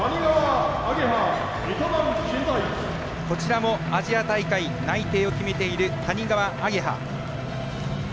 こちらもアジア大会内定を決めている谷川亜華葉。